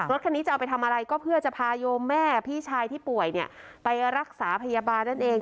รถคันนี้จะเอาไปทำอะไรก็เพื่อจะพาโยมแม่พี่ชายที่ป่วยไปรักษาพยาบาลนั่นเอง